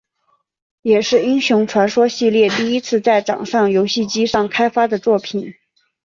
也是英雄传说系列第一次在掌上游戏机上开发的作品。